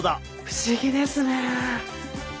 不思議ですね。